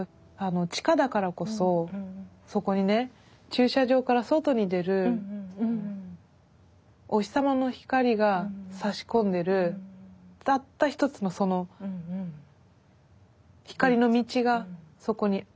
地下だからこそそこにね駐車場から外に出るお日様の光がさし込んでるたった一つのその光の道がそこにあったんです。